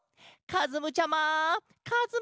かずむちゃま！